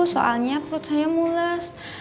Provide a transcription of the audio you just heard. soalnya perut saya mulus